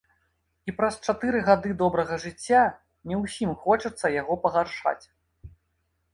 І праз чатыры гады добрага жыцця не ўсім хочацца яго пагаршаць.